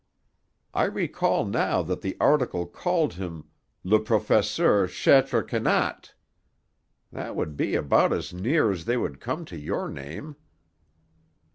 I recall now that the article called him 'le Professeur Chêtre Kennat.' That would be about as near as they would come to your name."